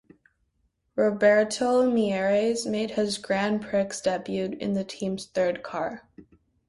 Roberto Mieres made his Grand Prix debut in the team's third car.